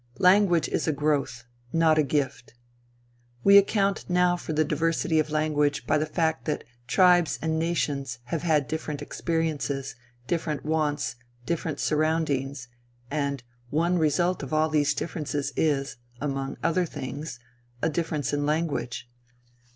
Language is a growth, not a gift. We account now for the diversity of language by the fact that tribes and nations have had different experiences, different wants, different surroundings, and, one result of all these differences is, among other things, a difference in language.